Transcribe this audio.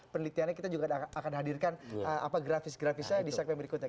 penelitiannya kita juga akan hadirkan grafis grafisnya di segmen berikutnya